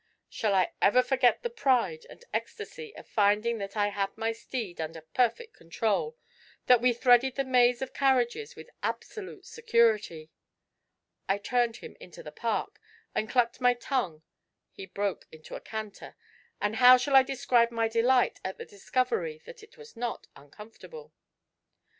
Shall I ever forget the pride and ecstasy of finding that I had my steed under perfect control, that we threaded the maze of carriages with absolute security? I turned him into the Park, and clucked my tongue: he broke into a canter, and how shall I describe my delight at the discovery that it was not uncomfortable?